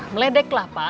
meledek lah pak